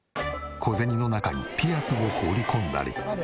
小銭の中にピアスを放り込んだり。